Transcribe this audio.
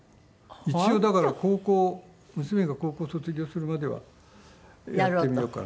一応だから高校娘が高校卒業するまではやってみようかな。